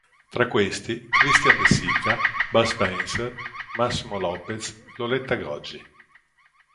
Tra questi Christian De Sica, Bud Spencer, Massimo Lopez, Loretta Goggi.